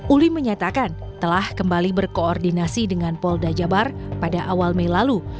uli menyatakan telah kembali berkoordinasi dengan polda jabar pada awal mei lalu